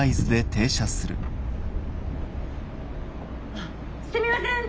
あすみません！